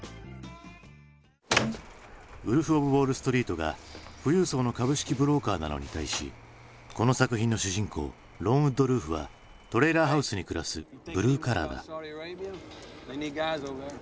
「ウルフ・オブ・ウォールストリート」が富裕層の株式ブローカーなのに対しこの作品の主人公ロン・ウッドルーフはトレーラーハウスに暮らすブルーカラーだ。